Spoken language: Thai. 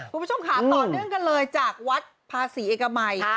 คุณผู้ชมค่ะต่อเนื่องกันเลยจากวัดภาษีเอกมัย